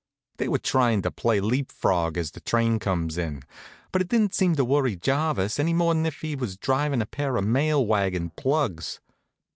They were tryin' to play leap frog as the train comes in; but it didn't seem to worry Jarvis any more'n if he was drivin' a pair of mail wagon plugs.